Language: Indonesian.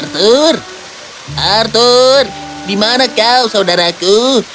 arthur arthur dimana kau saudaraku